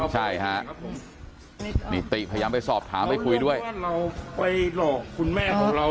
ใช่ฮะนิติพยายามไปสอบถามไปคุยด้วยไปหลอกคุณแม่ของเรา